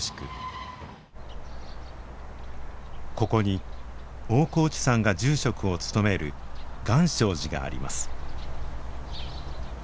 ここに大河内さんが住職を務める願生寺があります。